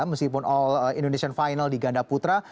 meskipun all indonesian final di gandaputra